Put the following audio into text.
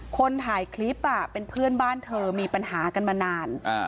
คนถ่ายคลิปเป็นเพื่อนบ้านเธอมีปัญหากันมานาน